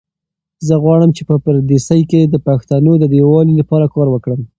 زه غواړم چې په پردیسۍ کې د پښتنو د یووالي لپاره کار وکړم.